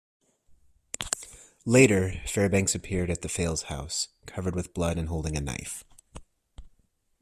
Later, Fairbanks appeared at the Fales house, covered with blood and holding a knife.